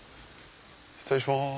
失礼します。